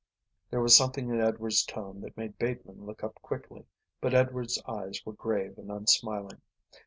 There was something in Edward's tone that made Bateman look up quickly, but Edward's eyes were grave and unsmiling.